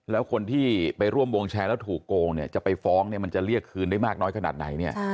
แล้วคนที่ไปร่วมวงแชร์แล้วถูกโกงจะไปฟ้องมันจะเรียกคืนได้มากน้อยขนาดไหน